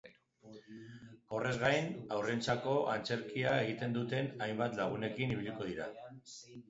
Horrez gain, haurrentzako antzerkia egiten duten hainbat lagunekin ibiliko dira.